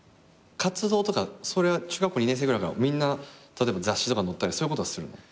活動とかそれは中学校２年生ぐらいから例えば雑誌とか載ったりそういうことはするの？